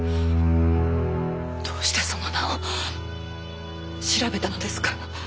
どうしてその名を調べたのですか？